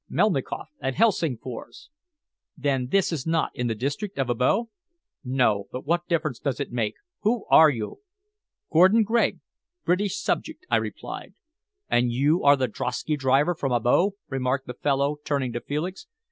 "Melnikoff, at Helsingfors." "Then this is not in the district of Abo?" "No. But what difference does it make? Who are you?" "Gordon Gregg, British subject," I replied. "And you are the drosky driver from Abo," remarked the fellow, turning to Felix.